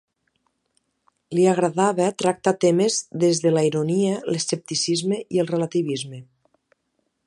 Li agradava tractar temes des de la ironia, l’escepticisme i el relativisme.